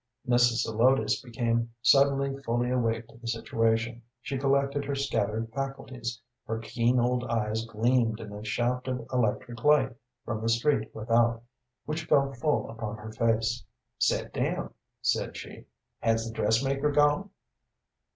Mrs. Zelotes became suddenly fully awake to the situation; she collected her scattered faculties; her keen old eyes gleamed in a shaft of electric light from the street without, which fell full upon her face. "Set down," said she. "Has the dressmaker gone?"